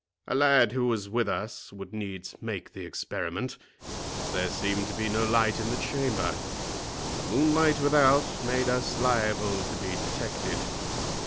A lad who was with us would needs make the experiment, as there seemed to be no light in the chamber, and the moonlight without made us liable to be detected.